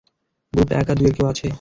Group এক আর দুইয়ের কেউ আছে?